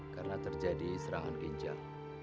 karena terjadi serangan ginjal